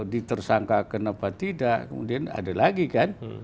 ditersangka kenapa tidak kemudian ada lagi kan